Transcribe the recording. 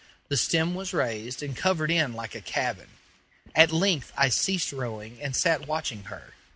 The stem was raised, and covered in like a cabin. At length I ceased rowing, and sat watching her.